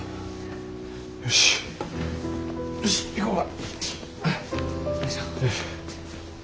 よしよし行こか。